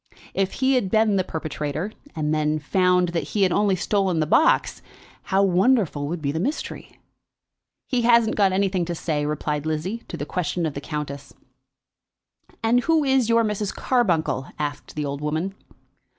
If he had been the perpetrator, and had then found that he had only stolen the box, how wonderful would be the mystery! "He hasn't got anything to say," replied Lizzie to the question of the countess. "And who is your Mrs. Carbuncle?" asked the old woman.